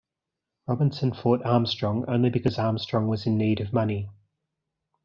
Robinson fought Armstrong only because Armstrong was in need of money.